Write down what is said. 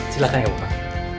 silahkan ya kak bukang